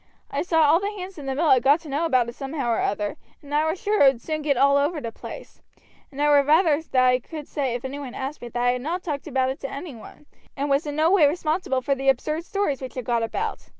I saw all the hands in the mill had got to know about it somehow or other, and I was sure it would soon get over the place; and I would rather that I could say, if any one asked me, that I had not talked about it to any one, and was in no way responsible for the absurd stories which had got about.